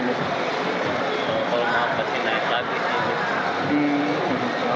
kalau mau pasti naik lagi